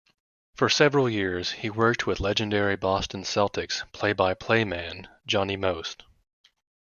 For several years, he worked with legendary Boston Celtics play-by-play man Johnny Most.